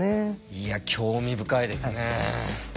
いや興味深いですね。